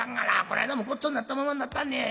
この間もごっつぉになったままになったんねん。